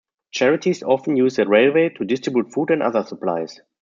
Charities often use the railway to distribute food and other supplies.